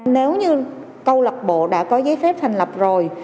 nếu như câu lạc bộ đã có giấy phép thành lập rồi